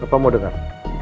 apa mau dengar